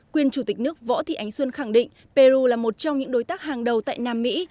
quyên chủ tịch nước võ thị ánh xuân khẳng định peru là một trong những đối tác hàng đầu tại nam mỹ